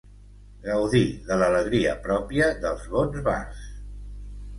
Gaudir de l'alegria pròpia dels bons bars.